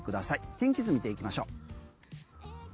天気図見ていきましょう。